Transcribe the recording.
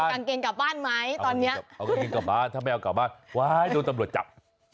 กางเกงกลับบ้านไหมตอนเนี้ยเอากางเกงกลับบ้านถ้าไม่เอากลับบ้านว้ายโดนตำรวจจับ